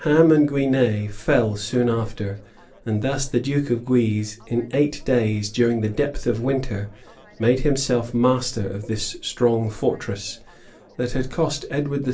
Ham and Guisnes fell soon after; and thus the duke of Guise, in eight days, during the depth of winter, made himself master of this strong fortress, that had cost Edward III.